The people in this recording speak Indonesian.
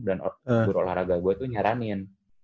dan guru olahraga gue tuh nyaranin